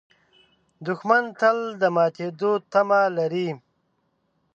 دښمن تل د ماتېدو تمه لري